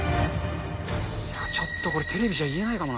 ちょっとこれ、テレビじゃ言えないかもな。